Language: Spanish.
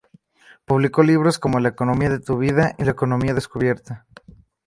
Publicó libros como"La economía de tu vida" y la "Economía descubierta".